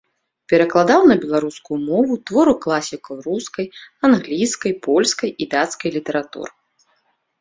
Перакладаў на беларускую мову творы класікаў рускай, англійскай, польскай і дацкай літаратур.